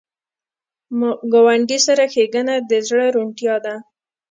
ګاونډي سره ښېګڼه د زړه روڼتیا ده